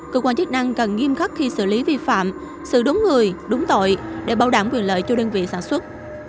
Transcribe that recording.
cơ quan chức năng cần nghiêm khắc khi xử lý vi phạm sự đúng người đúng tội để bảo đảm quyền lợi cho đơn vị sản xuất